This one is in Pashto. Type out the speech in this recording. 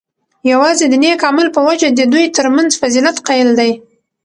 یواځی د نیک عمل په وجه د دوی ترمنځ فضیلت قایل دی،